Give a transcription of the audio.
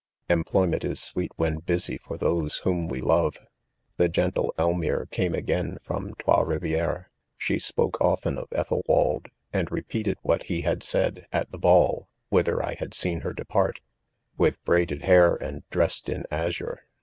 Employment is sweet when bti : &y for ; those "Whoiii we love, ;.& The; gentle Elmire came again from Trdis Rivieres. She spoke often of Eth elwald, and repeated: what he had said, at the:balt^wbkbef 1 had seen her depart, with braided hfemncl dressed &■ azure.